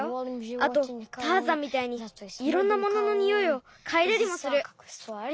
あとターザンみたいにいろんなもののにおいをかいだりもする。